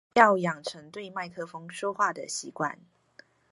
要養成對麥克風說話的習慣